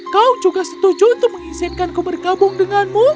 kau juga setuju untuk mengizinkanku bergabung denganmu